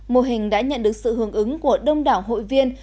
mô hình đã nhận được sự hướng ứng của đông đảo hội viên